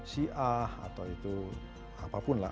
syiah atau itu apapun lah